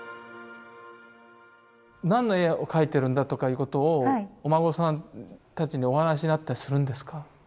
何の絵を描いてるんだとかいうことをお孫さんたちにお話しになったりするんですか？